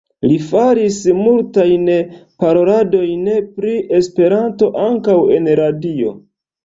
Li faris multajn paroladojn pri Esperanto, ankaŭ en radio.